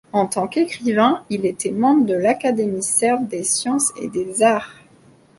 En tant qu'écrivain, il était membre de l'Académie serbe des sciences et des arts.